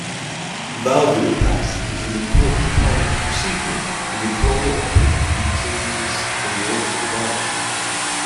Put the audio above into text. Valvuloplasty is an important part of the procedure to deploy a percutaneous aortic valve.